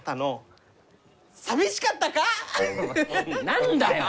何だよ！